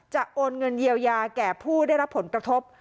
โอนเงินเยียวยาแก่ผู้ได้รับผลกระทบ